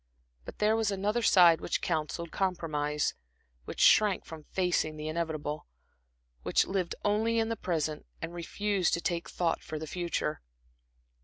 But there was another side which counselled compromise, which shrank from facing the inevitable, which lived only in the present and refused to take thought for the future.